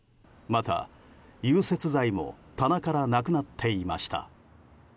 また、融雪剤も棚からなくなっていました。